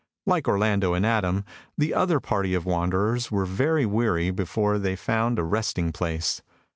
Like Orlando and Adam, the other party of wanderers were very weary before they found a resting place.